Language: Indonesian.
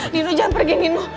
nino jangan pergi nino